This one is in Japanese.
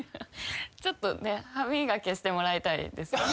ちょっとね歯磨きしてもらいたいですよね。